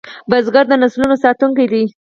بزګر د نسلونو ساتونکی دی